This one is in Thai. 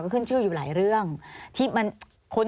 ปีอาทิตย์ห้ามีสปีอาทิตย์ห้ามีส